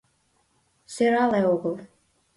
Сӧрале огыл...